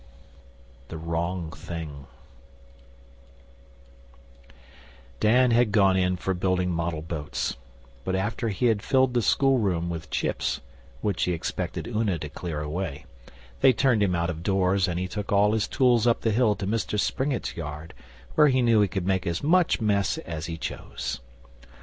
BOTH: We tell these tales, which are strictest true, etc. The Wrong Thing Dan had gone in for building model boats; but after he had filled the schoolroom with chips, which he expected Una to clear away, they turned him out of doors and he took all his tools up the hill to Mr Springett's yard, where he knew he could make as much mess as he chose.